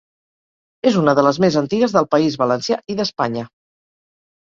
És una de les més antigues del País Valencià i d'Espanya.